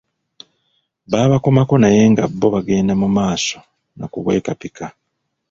Baabakomako naye nga bo bagenda mu maaso na kubwekapika.